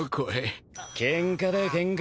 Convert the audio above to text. ケンカだよケンカ。